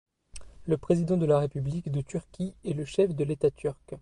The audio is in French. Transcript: Le président de la République de Turquie est le chef de l’État turc.